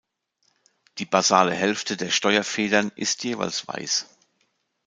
Die basale Hälfte der Steuerfedern ist jeweils weiß.